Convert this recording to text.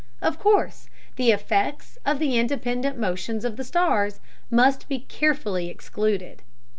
Of course the effects of the independent motions of the stars must be carefully excluded.